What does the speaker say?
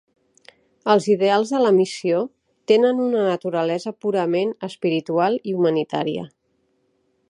Els ideals de la Missió tenen una naturalesa purament espiritual i humanitària.